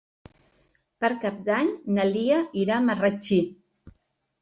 Per Cap d'Any na Lia irà a Marratxí.